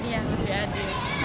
ya lebih adil